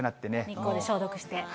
日光で消毒して。